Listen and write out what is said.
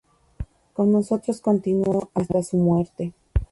Con nosotros continuó hasta su muerte.